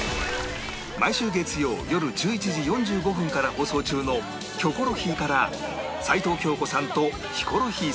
毎週月曜よる１１時４５分から放送中の『キョコロヒー』から齊藤京子さんとヒコロヒーさん